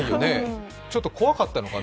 ちょっと怖かったのかな？